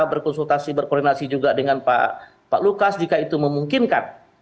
berkonsultasi berkoordinasi juga dengan pak lukas jika itu memungkinkan